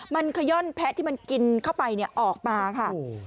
มันขย่อนแพะที่มันกินเข้าไปออกมาค่ะ